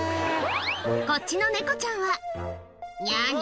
こっちの猫ちゃんは「ニャに？